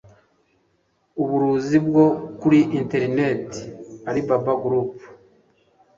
uburuzi bwo kuri internet Alibaba Group .